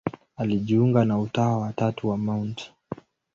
Alijiunga na Utawa wa Tatu wa Mt.